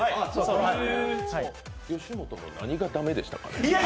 吉本の何が駄目でしたか？